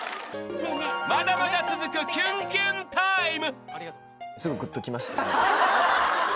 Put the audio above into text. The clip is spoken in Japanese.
［まだまだ続くキュンキュンタイム］